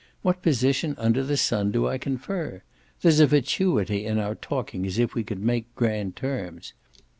What position under the sun do I confer? There's a fatuity in our talking as if we could make grand terms.